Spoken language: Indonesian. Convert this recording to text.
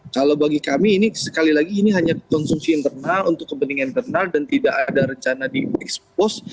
kalau bagi kami ini sekali lagi ini hanya konsumsi internal untuk kepentingan internal dan tidak ada rencana di expose